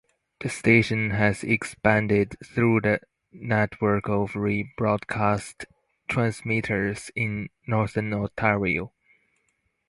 The station has expanded through a network of rebroadcast transmitters in Northern Ontario.